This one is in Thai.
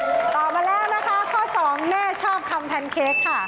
ตอบมาแล้วนะคะข้อสองแม่ชอบคำแพนเค้กค่ะ